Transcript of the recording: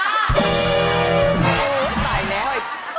โอ๊ยตายแล้ว